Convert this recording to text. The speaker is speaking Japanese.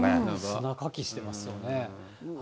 砂かきしてますよね。